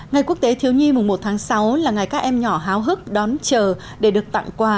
ngày quốc tế thiếu nhi mùng một tháng sáu là ngày các em nhỏ háo hức đón chờ để được tặng quà